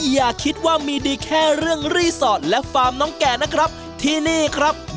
อย่าคิดว่ามีดีแค่เรื่องรีสอร์ทและฟาร์มน้องแก่นะครับที่นี่ครับ